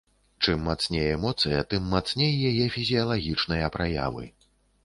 Чым мацней эмоцыя, тым мацней яе фізіялагічныя праявы.